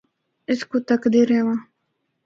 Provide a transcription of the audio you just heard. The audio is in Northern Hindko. اس کو تَکدے رہواں۔